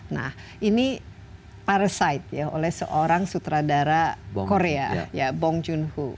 nah ini parasite ya oleh seorang sutradara korea bong joon ho